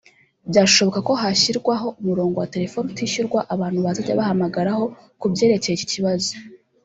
Byashoboka ko hashyirwaho umurongo wa telefoni utishyurwa abantu bazajya bahamagaraho ku byerekeye iki kibazo